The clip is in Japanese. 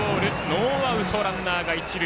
ノーアウトランナーが一塁。